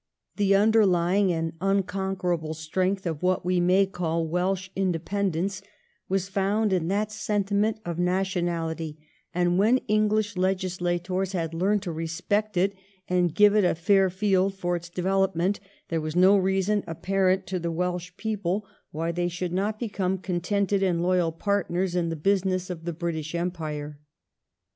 The underlying and unconquerable strength of what we may call Welsh independence was found in that sentiment of nationality, and when English legislators had learned to respect it and give it a fair field for its development there was no reason apparent to the Welsh people why they should not become contented and loyal partners in the business of the British Empire.